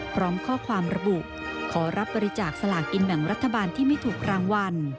พร้อมข้อความระบุขอรับบริจาคสลากกินแบ่งรัฐบาลที่ไม่ถูกรางวัล